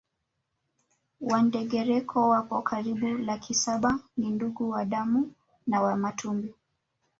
Wandengereko wapo karibu laki saba ni ndugu wa damu na Wamatumbi